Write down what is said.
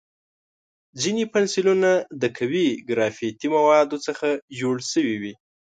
ځینې پنسلونه د قوي ګرافیتي موادو څخه جوړ شوي وي.